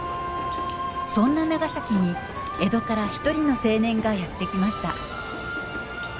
そんな長崎に江戸から一人の青年がやって来ました。